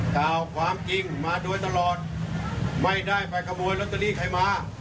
กล่าวความจริงมาโดยตลอดไม่ได้ไปขโมยลอตเตอรี่ใครมา